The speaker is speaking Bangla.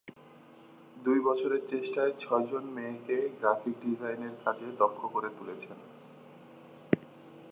দুই বছরের চেষ্টায় ছয়জন মেয়েকে গ্রাফিক ডিজাইনের কাজে দক্ষ করে তুলেছেন।